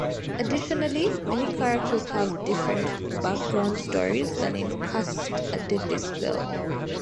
Additionally, many characters have different background stories than in "Cast a Deadly Spell".